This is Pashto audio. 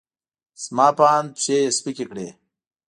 زما په اند، پښې یې سپکې کړې.